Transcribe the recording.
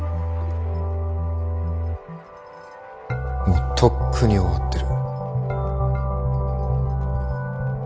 もうとっくに終わってる。